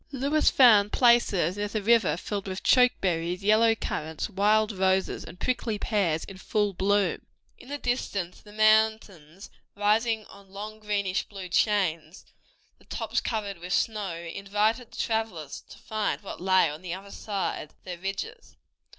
Lewis found places near the river filled with choke cherries, yellow currants, wild roses, and prickly pears in full bloom. In the distance the mountains, rising in long greenish blue chains, the tops covered with snow, invited the travelers to find what lay on the other side of their ridges.